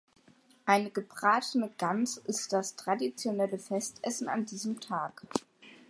Eine gebratene Gans ist das traditionelle Festessen an diesem Tag.